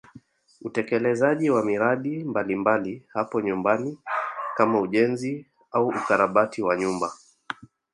Utekelezaji wa miradi mbalimbali hapo nyumbani kama ujenzi au ukarabati wa nyumba